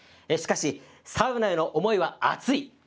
しかし、サウナへの思いはアツい。